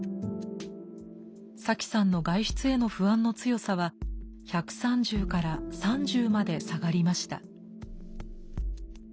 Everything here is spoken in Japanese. サキさんの外出への不安の強さは１３０から３０まで下がりました。